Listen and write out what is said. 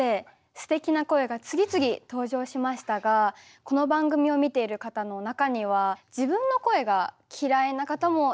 すてきな声が次々登場しましたがこの番組を見ている方の中には自分の声が嫌いな方もいると思います。